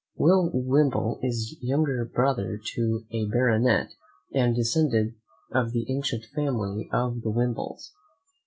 Will Wimble is younger brother to a baronet, and descended of the ancient family of the Wimbles.